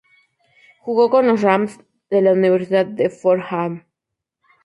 Jugó con los Rams de la Universidad de Fordham.